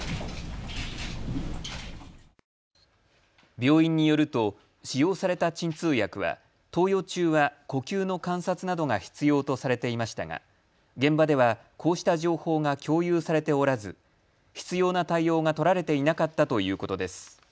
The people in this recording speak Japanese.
病院によると使用された鎮痛薬は投与中は呼吸の観察などが必要とされていましたが現場ではこうした情報が共有されておらず必要な対応が取られていなかったということです。